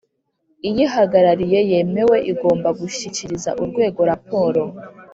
iyihagarariye yemewe igomba gushyikiriza urwego raporo